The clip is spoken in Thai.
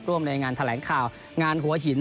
ร่วมในงานแถลงข่าวงานหัวหิน